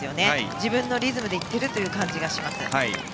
自分のリズムで行っている感じがします。